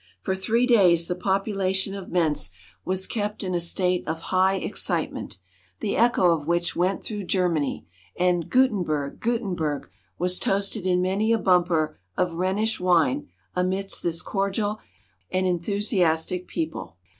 For three days the population of Mentz was kept in a state of high excitement, the echo of which went through Germany, and "Gutenberg! Gutenberg!" was toasted in many a bumper of Rhenish wine amidst this cordial and enthusiastic people.